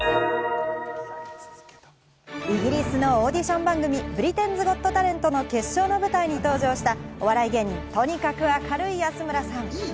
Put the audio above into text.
イギリスのオーディション番組『ブリテンズ・ゴット・タレント』の決勝の舞台に登場した、お笑い芸人・とにかく明るい安村さん。